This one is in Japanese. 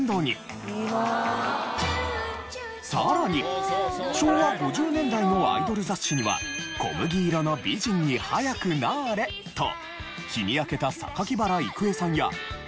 さらに昭和５０年代のアイドル雑誌には「小麦色の美人に早くなーれ！」と日に焼けた榊原郁恵さんや。